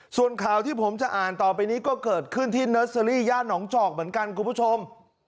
ส่วนข่าวที่ผมจะอ่านต่อไปนี้ก็เกิดขึ้นที่เนอร์เซอรี่ย่านหนองจอกเหมือนกันคุณผู้ชม